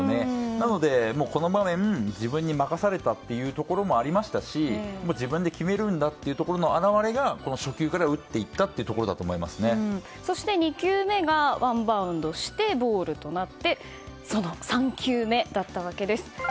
なので、この場面自分に任されたというところもありましたし自分で決めるんだというところの表れが初球から打っていったそして、２球目がワンバウンドしてボールとなってその３球目だったわけです。